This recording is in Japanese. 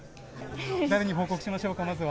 誰に報告しましょうか、まずは。